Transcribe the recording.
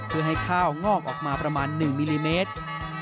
เพื่อให้ข้าวงอกออกมาประมาณ๑มิลลิเมตร